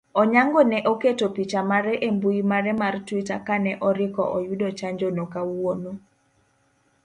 Onyango ne oketo picha mare embui mare mar twitter kane oriko oyudo chanjono kawuono